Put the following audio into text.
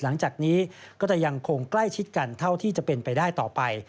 หลังจากนี้ก็จะยังคงใกล้ชิดกันเท่าที่จะเป็นไปได้ต่อไป